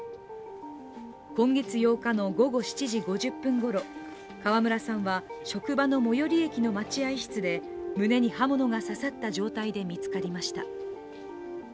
今月８日の午後７時５０分ごろ、川村さんは職場の最寄り駅の待合室で胸に刃物が刺さった状態で見つかりました。